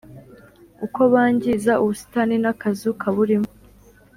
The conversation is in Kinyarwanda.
uko bangiza ubusitani n’akazu kaburimo,